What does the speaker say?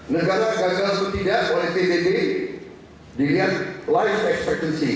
negara gagal setidak oleh tpp diingat life expectancy